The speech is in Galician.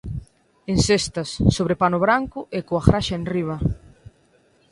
En cestas, sobre pano branco e coa graxa enriba.